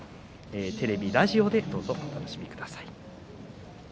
テレビ、ラジオでぜひ、お楽しみください。